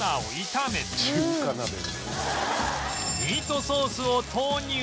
ミートソースを投入